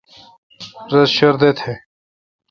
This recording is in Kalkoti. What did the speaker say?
رس شردہ تھ۔